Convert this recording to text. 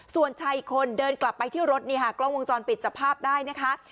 ส่วนชายอีกคนเดินกลับไปที่รถนี่ค่ะกล้องวงจรปิดจับภาพได้นะคะ